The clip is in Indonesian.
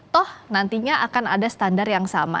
toh nantinya akan ada standar yang sama